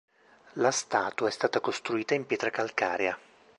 La statua è stata costruita in pietra calcarea.